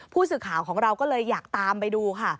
ผู้สื่อข่าวของเราก็เลยอยากตามไปดูค่ะ